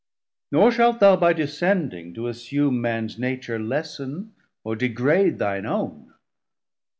Nor shalt thou by descending to assume Mans Nature, less'n or degrade thine owne.